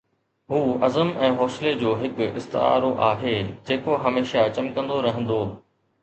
هو عزم ۽ حوصلي جو هڪ استعارو آهي، جيڪو هميشه چمڪندو رهندو